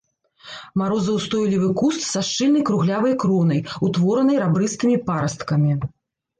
Марозаўстойлівы куст са шчыльнай круглявай кронай, утворанай рабрыстымі парасткамі.